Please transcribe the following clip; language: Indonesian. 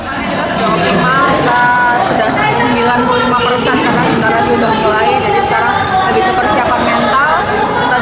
sebenarnya kita sudah sembilan puluh lima persen karena saudara sudah mulai jadi sekarang lagi ke persiapan mental